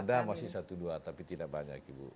ada masih satu dua tapi tidak banyak ibu